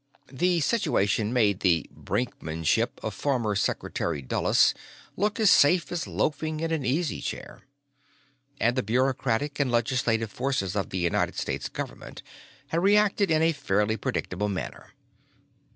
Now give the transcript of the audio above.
The situation made the "Brinksmanship" of former Secretary Dulles look as safe as loafing in an easy chair. And the bureaucratic and legislative forces of the United States Government had reacted in a fairly predictable manner.